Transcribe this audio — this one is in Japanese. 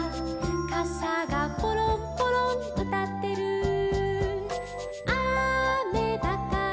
「かさがポロンポロンうたってる」「あめだから」